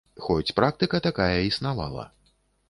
Хоць практыка такая існавала.